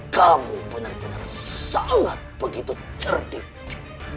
kamu benar benar sangat begitu cerdik